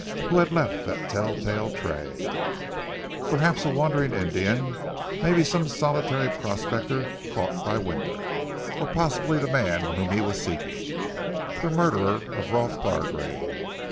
Who had left that tell tale trail? Perhaps a wandering Indian. Maybe some solitary prospector caught by winter, or possibly the man whom he was seeking, the murderer of Rolf Gargrave.